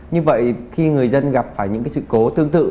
như vậy khi người dân gặp phải những sự cố tương tự